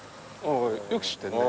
よく知ってるね。